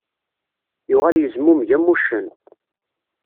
Yuɣal yezmumeg am wuccen.